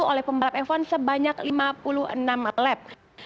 oleh pembalap f satu sebanyak lima puluh enam lap